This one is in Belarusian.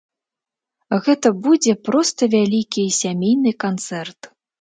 Гэта будзе проста вялікі сямейны канцэрт.